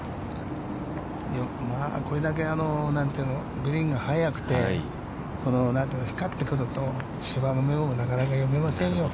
まあ、これだけグリーンが速くて光ってくると、芝の目もなかなか読めませんよ。